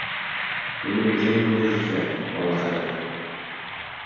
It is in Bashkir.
Һин үҙең мөғжизә, балаҡайым.